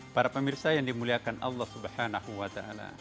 para pemirsa yang dimuliakan allah swt